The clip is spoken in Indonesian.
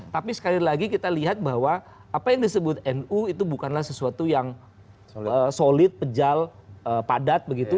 tapi sekali lagi kita lihat bahwa apa yang disebut nu itu bukanlah sesuatu yang solid pejal padat begitu